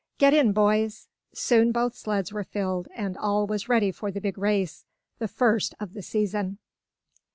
"Get in, boys!" Soon both sleds were filled, and all was ready for the big race the first of the season.